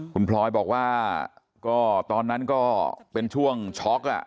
คุณพลอยบอกว่าก็ตอนนั้นก็เป็นช่วงช็อกอ่ะ